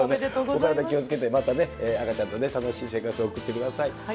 お体気をつけて、またね、赤ちゃんと楽しい生活を送ってください。